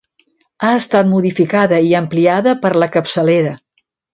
Ha estat modificada i ampliada per la capçalera.